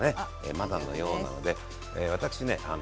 まだのようなので私ね